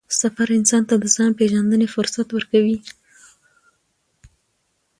سفر انسان ته د ځان پېژندنې فرصت ورکوي